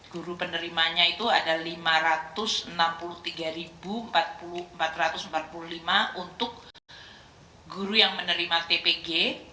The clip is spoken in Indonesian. guru penerimanya itu ada lima ratus enam puluh tiga empat ratus empat puluh lima untuk guru yang menerima tpg